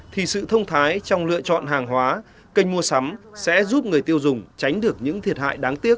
thì sự thông thái trong lựa chọn hàng hóa kênh mua sắm sẽ giúp người tiêu dùng tránh được những thiệt hại đáng tiếc